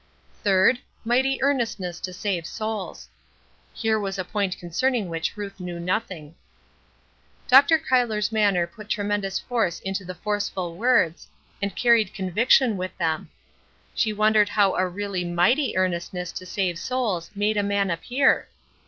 "Third, mighty earnestness to save souls." Here was a point concerning which Ruth knew nothing. Dr. Cuyler's manner put tremendous force into the forceful words, and carried conviction with them. She wondered how a really mighty earnestness to save souls made a man appear?